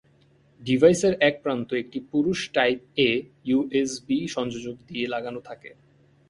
ডিভাইসের এক প্রান্ত একটি পুরুষ টাইপ-এ ইউ এস বি সংযোজক দিয়ে লাগানো থাকে।